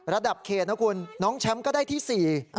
ระดับเขตนะคุณน้องแชมป์ก็ได้ที่๔